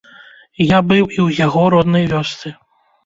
Я быў і ў яго роднай вёсцы.